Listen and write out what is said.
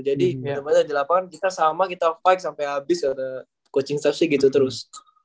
jadi bener bener di lapangan kita sama kita fight sampe habis coach staffnya gitu terus